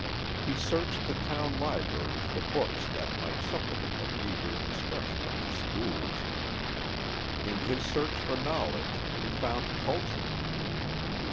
He searched the town library for books that might supplement the meagre instruction of the schools. In his search for knowledge he found culture.